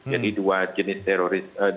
jadi dua jenis teroris